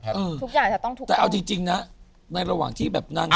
ทุกอย่างจะต้องทุกคนแต่เอาจริงนะในระหว่างที่แบบนั่งค้า